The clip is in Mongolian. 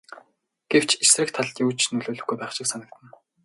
Гэвч эсрэг талд юу ч нөлөөлөхгүй байх шиг санагдана.